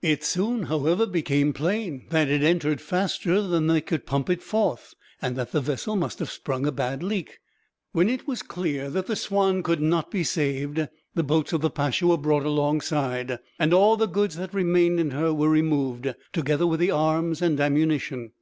It soon, however, became plain that it entered faster than they could pump it forth, and that the vessel must have sprung a bad leak. When it was clear that the Swanne could not be saved, the boats of the Pacha were brought alongside, and all the goods that remained in her were removed, together with the arms and ammunition.